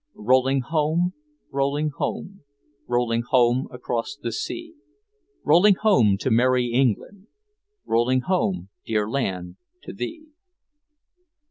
Rolling home, rolling home, Rolling home across the sea, Rolling home to merry England, Rolling home dear land to thee.